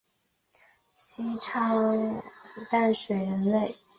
西昌华吸鳅为平鳍鳅科华吸鳅属的淡水鱼类。